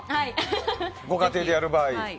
ご家庭でやる場合。